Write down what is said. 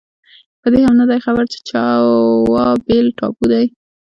په دې هم نه دی خبر چې جاوا بېل ټاپو دی.